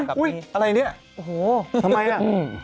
อุ๊ยอะไรอย่างนี้โอ้โฮทำไมล่ะ